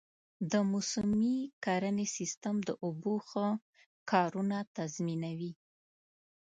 د موسمي کرنې سیستم د اوبو ښه کارونه تضمینوي.